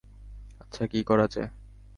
আচ্ছা, কি করা যায়?